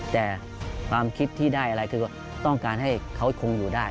แต่ความคิดที่ได้อะไรคือต้องการให้เขาคงอยู่ได้